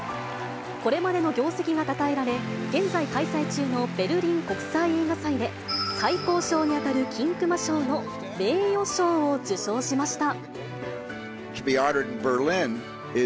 これまでの業績がたたえられ、現在開催中のベルリン国際映画祭で、最高賞に当たる金熊賞の名誉賞を受賞しました。